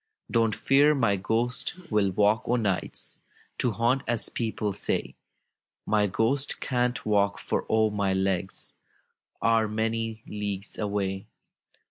"Don't fear my ghost will walk o' nights To haunt, as people say; My ghost can't walk, for, oh ! my legs Are many leagues away!